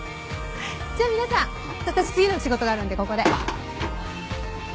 じゃ皆さん私次の仕事があるんでここで。